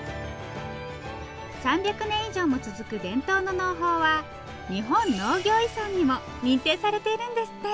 ３００年以上も続く伝統の農法は日本農業遺産にも認定されているんですって。